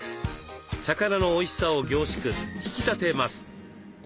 魚のおいしさを凝縮引き立てます。